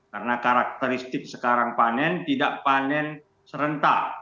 karena karakteristik sekarang panen tidak panen serentak